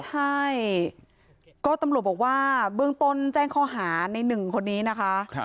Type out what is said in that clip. ใช่ก็ตำรวจบอกว่าเบื้องต้นแจ้งข้อหาในหนึ่งคนนี้นะคะ